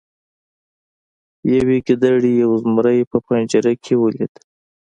یوې ګیدړې یو زمری په پنجره کې ولید.